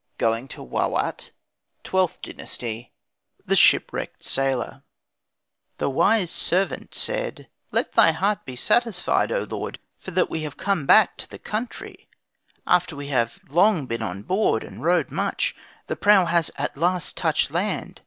GOING TO WAWAT, XIITH DYNASTY THE SHIPWRECKED SAILOR The wise servant said, "Let thy heart be satisfied, O my lord, for that we have come back to the country; after we have long been on board, and rowed much, the prow has at last touched land.